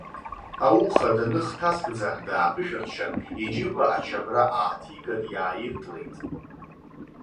Ауха, даныхҭаскӡа, дааԥышәырччан, иџьыба ачабра ааҭиган иааиртлеит.